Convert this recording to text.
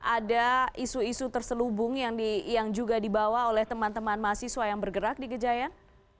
ada isu isu terselubung yang juga dibawa oleh teman teman mahasiswa yang bergerak di gejayan